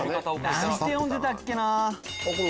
何て呼んでたっけな？